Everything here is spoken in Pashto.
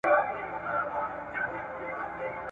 پورته به ملاله په رنګین بیرغ کي چیغه کړي !.